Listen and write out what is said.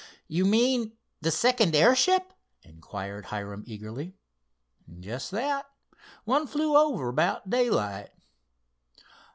"You mean the second airship?" inquired Hiram, eagerly. "Just that. One flew over about daylight."